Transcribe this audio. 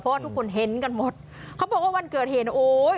เพราะว่าทุกคนเห็นกันหมดเขาบอกว่าวันเกิดเหตุโอ้ย